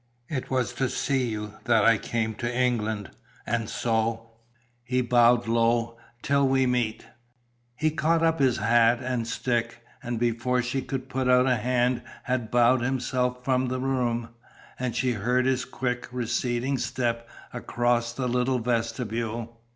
"It was to see you that I came to England, and so " he bowed low, "till we meet." He caught up his hat and stick, and before she could put out a hand had bowed himself from the room, and she heard his quick receding step across the little vestibule.